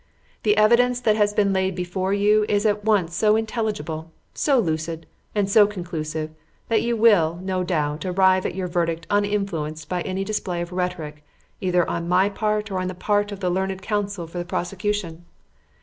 The evidence that has been laid before you is at once so intelligible, so lucid, and so conclusive, that you will, no doubt, arrive at your verdict uninfluenced by any display of rhetoric either on my part or on the part of the learned counsel for the prosecution.